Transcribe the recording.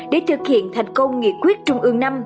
để thực hiện thành công nghị quyết trung ương năm